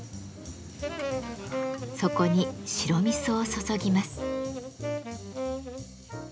そこに白味噌を注ぎます。